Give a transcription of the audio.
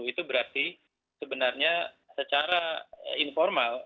itu berarti sebenarnya secara informal